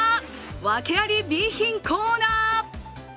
ワケありＢ品コーナー。